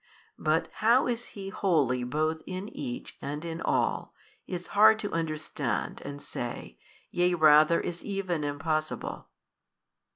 But how is He wholly both in each and in all, is hard to understand and say, yea rather is even impossible.